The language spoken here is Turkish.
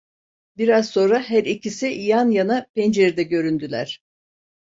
Biraz sonra her ikisi yan yana pencerede güründüler.